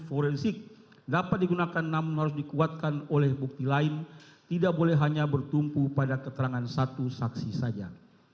forensik dapat digunakan namun harus dikuatkan oleh bukti lain tidak boleh hanya bertumpu pada keterangan satu saksi saja